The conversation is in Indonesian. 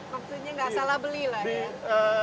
maksudnya nggak salah beli lah ya